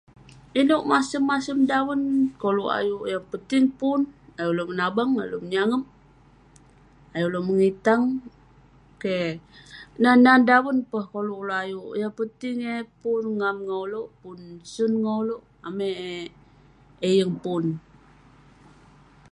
Ineuk masem-masem daven koluk ayuk, yah peting pun ayuk uleuk menabang, ayuk uleuk menyangep...ayuk uleuk mengitang, keh...Nan-nan daven peh koluk uleuk ayuk, yah peting eh pun ngam ngan uleuk, pun sun ngam uleuk. Amai eh- eh yeng pun.